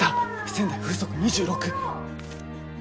仙台風速２６。